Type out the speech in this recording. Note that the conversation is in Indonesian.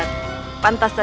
kita akan mencoba untuk mencoba